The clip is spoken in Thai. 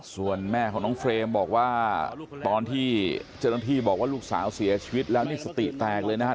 ส่วนแม่ของน้องเฟรมบอกว่าตอนที่เจ้าหน้าที่บอกว่าลูกสาวเสียชีวิตแล้วนี่สติแตกเลยนะครับ